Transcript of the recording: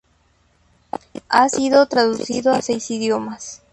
Ha sido traducido a seis idiomas.